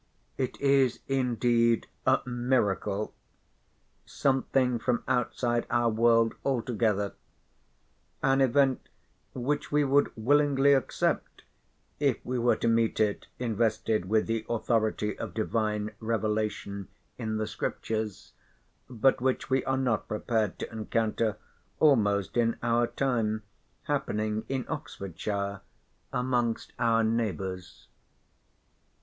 It is indeed a miracle; something from outside our world altogether; an event which we would willingly accept if we were to meet it invested with the authority of Divine Revelation in the scriptures, but which we are not prepared to encounter almost in our time, happening in Oxfordshire amongst our neighbours.